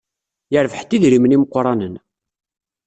Yerbeḥ-d idrimen imeqranen.